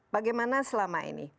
bagaimana selama ini